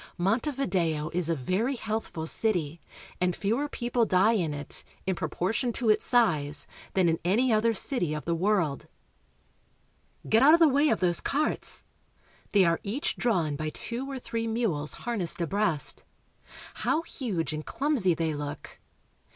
Montevideo is a very healthful city, and fewer people die in it, in proportion to its size, than in any other city of the world. We take a boat and ride to the wharves Get out of the way of those carts! They are each drawn by two or three mules harnessed abreast. How huge and clumsy they look!